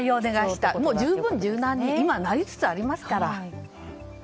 十分柔軟に今、なりつつありますから。